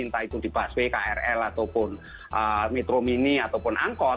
entah itu di busway krl ataupun metro mini ataupun angkot